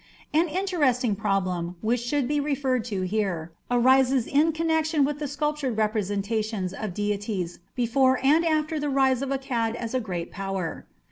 An interesting problem, which should be referred to here, arises in connection with the sculptured representations of deities before and after the rise of Akkad as a great Power.